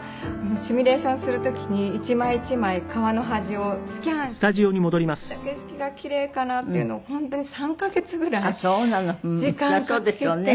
シミュレーションする時に１枚１枚革の端をスキャンしてどういった景色がキレイかな？っていうのを本当に３カ月ぐらい時間かけて。